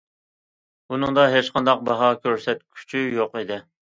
ئۇنىڭدا ھېچقانداق باھا كۆرسەتكۈچى يوق ئىدى.